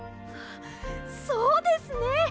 そうですね！